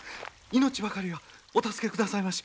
命ばかりはお助けくださいまし！